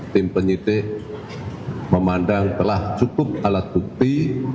tim penyidik memandang telah cukup alat bukti